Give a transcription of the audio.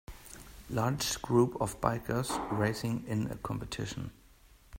Large group of bikers racing in a competition.